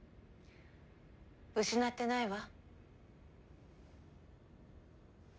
失ってないわ。